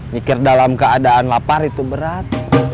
mikir dalam keadaan lapar itu berat